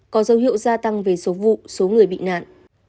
có dấu hiệu gia tăng về số vụ số người bị nạn